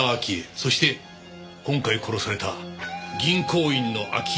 そして今回殺された銀行員の秋山圭子だ。